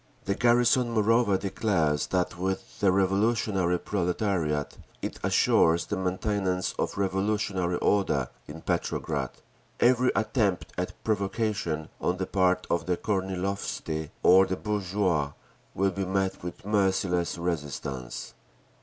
The garrison moreover declares that with the revolutionary proletariat it assures the maintenance of revolutionary order in Petrograd. Every attempt at provocation on the part of the Kornilovtsi or the bourgeoisie will be met with merciless resistance.